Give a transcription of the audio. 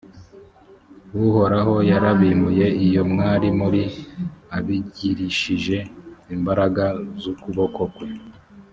uhoraho yarabimuye iyo mwari muri abigirishije imbaraga z’ukuboko kwe